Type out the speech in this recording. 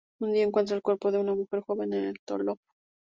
Un día encuentran el cuerpo de una mujer joven en el loft.